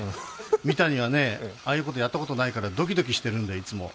三谷はああいうことやったことないからドキドキしてるんだよ、いつも。